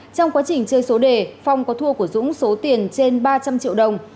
trong quá trình chơi số đề phong có thua của dũng số tiền trên ba trăm linh triệu đồng